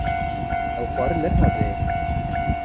Ev xwarin ne teze ye.